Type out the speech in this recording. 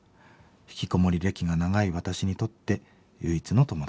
ひきこもり歴が長い私にとって唯一の友達でした。